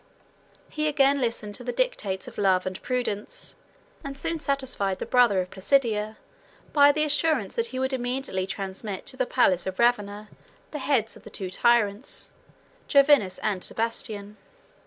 He again listened to the dictates of love and prudence; and soon satisfied the brother of Placidia, by the assurance that he would immediately transmit to the palace of Ravenna the heads of the two tyrants, Jovinus and Sebastian.